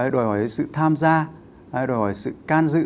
đòi hỏi sự tham gia đòi hỏi sự can dự